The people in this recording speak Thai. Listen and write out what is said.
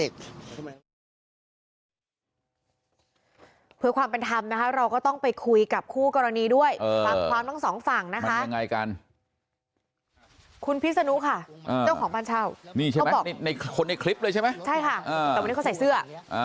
ใช่ค่ะแต่วันนี้เขาใส่เสื้อ